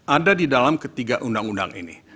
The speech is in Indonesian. ada di dalam ketiga undang undang ini